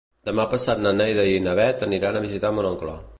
Demà passat na Neida i na Bet aniran a visitar mon oncle.